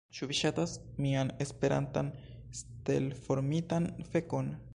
Ĉu vi ŝatas mian Esperantan stelformitan fekon?